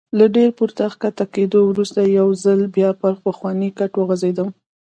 له ډېر پورته کښته کېدو وروسته یو ځل بیا پر پخواني کټ وغځېدم.